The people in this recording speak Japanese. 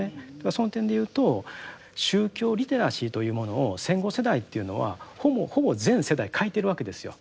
その点で言うと宗教リテラシーというものを戦後世代というのはほぼほぼ全世代欠いてるわけですよ。